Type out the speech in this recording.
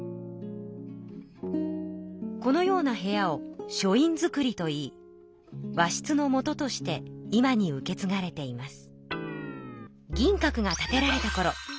このような部屋を書院造といい和室の元として今に受けつがれています。